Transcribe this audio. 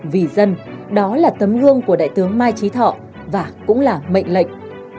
vì dân đó là tấm gương của đại tướng mai trí thọ và cũng là mệnh lệnh